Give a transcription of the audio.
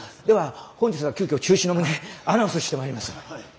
では本日は急遽中止の旨アナウンスしてまいります！